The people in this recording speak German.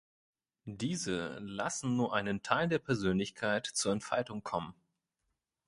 Diese lassen nur einen Teil der Persönlichkeit zur Entfaltung kommen.